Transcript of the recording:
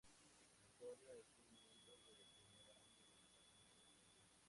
Antonio es un miembro de primer año del consejo estudiantil.